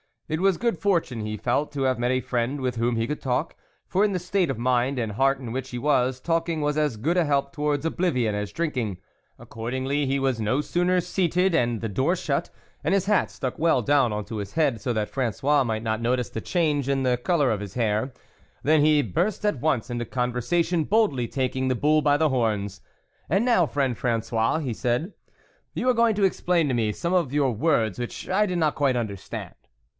It was good fortune, he felt, to have met a friend with whom he could talk, for, in the state of mind and heart in which he was, talking was as good a help towards oblivion as drinking. Accordingly, he was no sooner seated, and the door shut, and his hat stuck well down on to his head so that Frangois might not notice the change in the colour of his hair, than he burst at once into conversation, boldly taking the bull by the horns. " And now, friend Frangois," he said, " you are going to explain to me some of your words which I did not quite under stand."